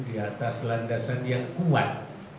di atas landasan yang kuat